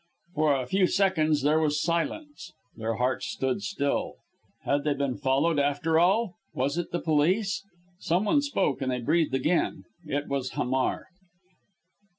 For a few seconds there was silence. Their hearts stood still. Had they been followed, after all? Was it the police? Some one spoke and they breathed again. It was Hamar.